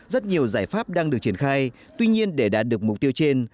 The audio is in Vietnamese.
rất nhiều giải pháp đang được triển khai tuy nhiên để đạt được mục tiêu trên